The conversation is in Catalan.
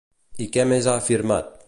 I què més ha afirmat?